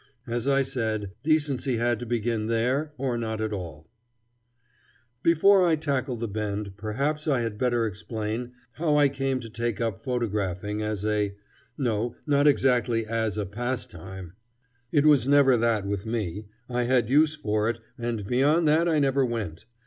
As I said, decency had to begin there, or not at all. [Illustration: The Mulberry Bend as it was.] Before I tackle the Bend, perhaps I had better explain how I came to take up photographing as a no, not exactly as a pastime. It was never that with me. I had use for it, and beyond that I never went.